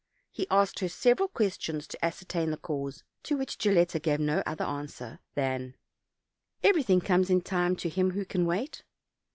He asked her several questions to ascertain the cause, to which Gilletta gave no other answer than: "Everything comes in time to him who can wait."